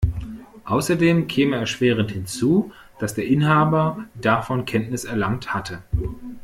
Außerdem käme erschwerend hinzu, dass der Inhaber davon Kenntnis erlangt hatte.